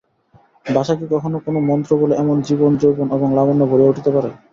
ভাষা কি কখনো কোনো মন্ত্রবলে এমন জীবন, যৌবন এবং লাবণ্যে ভরিয়া উঠিতে পারে।